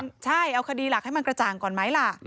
ใช่เอาคดีหลักให้มันกระจ่างก่อนไหมล่ะ